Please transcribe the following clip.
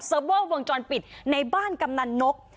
เวอร์วงจรปิดในบ้านกำนันนก